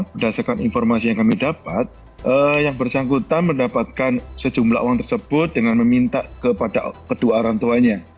berdasarkan informasi yang kami dapat yang bersangkutan mendapatkan sejumlah uang tersebut dengan meminta kepada kedua orang tuanya